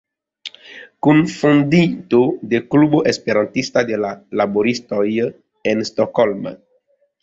Kunfondinto de Klubo Esperantista de la laboristoj en Stockholm.